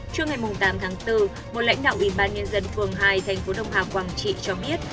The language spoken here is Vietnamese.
trước ngày tám tháng bốn một lãnh đạo ủy ban nhân dân phường hai tp đh quảng trị cho biết